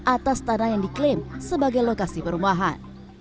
atas tanah yang diklaim sebagai lokasi perumahan